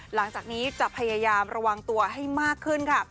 หลังจากนี้จะพยายามระวังตัวให้มากขึ้นค่ะ